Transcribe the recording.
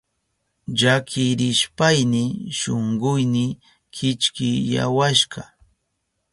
Llakirishpayni shunkuyni kichkiyawashka.